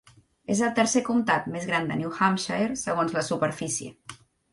És el tercer comtat més gran de New Hampshire segons la superfície.